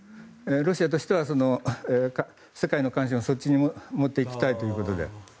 ロシアとしては世界の関心をそっちに持っていきたいということで。